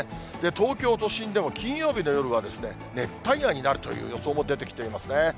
東京都心でも、金曜日の夜は熱帯夜になるという予想も出てきていますね。